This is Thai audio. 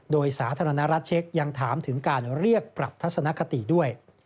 โดยสาธารณรัฐเช็คยังถามถึงการเรียกปรับทัศนคติด้วย